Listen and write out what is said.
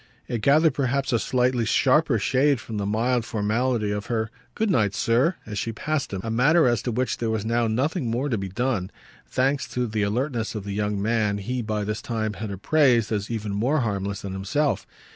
It gathered perhaps a slightly sharper shade from the mild formality of her "Good night, sir!" as she passed him; a matter as to which there was now nothing more to be done, thanks to the alertness of the young man he by this time had appraised as even more harmless than himself.